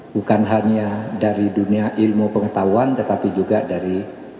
bukan hanya dari dunia ilmu pengetahuan tetapi juga dari